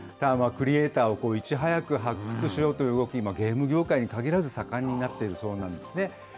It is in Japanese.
クリエーターをいち早く発掘しようという動き、ゲーム業界に限らず、盛んになっているそうなんですね。